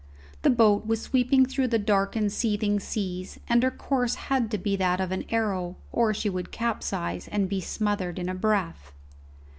The boat was sweeping through the dark and seething seas, and her course had to be that of an arrow, or she would capsize and be smothered in a breath.